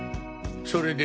それで？